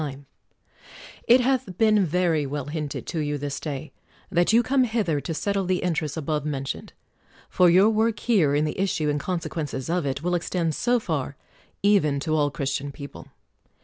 117 THE WORLD'S FAMOUS ORATIONS It hath been very well hinted to you this day that you come hither to settle the interests above mentioned : for your work here, in the issue and consequences of it, will extend so far, even to all Christian people.